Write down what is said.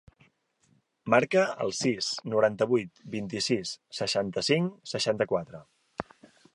Marca el sis, noranta-vuit, vint-i-sis, seixanta-cinc, seixanta-quatre.